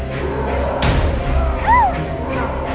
di balik dinding ini